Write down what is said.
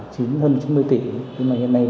chín mươi tỷ nhưng mà hiện nay